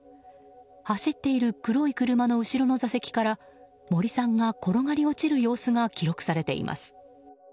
走っている黒い車の後ろの座席から森さんが転がり落ちる様子が記録されています。